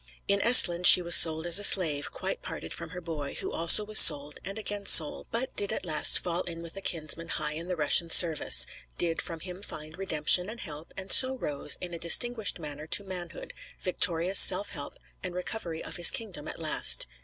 In Esthland she was sold as a slave, quite parted from her boy, who also was sold, and again sold; but did at last fall in with a kinsman high in the Russian service; did from him find redemption and help, and so rose, in a distinguished manner, to manhood, victorious self help, and recovery of his kingdom at last.